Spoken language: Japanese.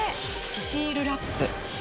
シールラップ。